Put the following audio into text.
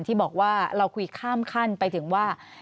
ที่บอกว่าเราคุยข้ามขั้นไปถึงว่า